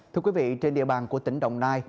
thưa quý vị trên địa bàn của tỉnh đồng nai